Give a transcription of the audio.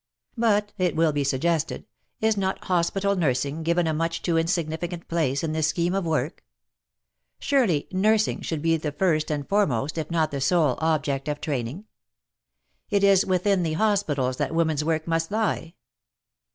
But, it will be suggested, is not hospital nursing given a much too insignificant place in this scheme of work ? Surely nursing should be the first and foremost, if not the sole, object of training? It is within the hospitals that woman's work must lie."